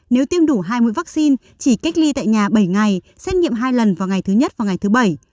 nếu tiêm đủ hai mũi vaccine chỉ cách ly tại nhà bảy ngày xét nghiệm hai lần vào ngày thứ nhất và ngày thứ bảy